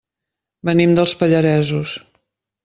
Venim dels Pallaresos.